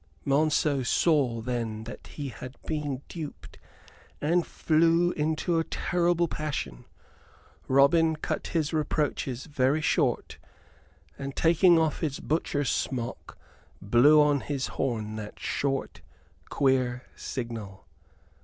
Monceux saw then that he had been duped, and flew into a terrible passion. Robin cut his reproaches very short, however; and, taking off his butcher's smock, blew on his horn that short, queer signal.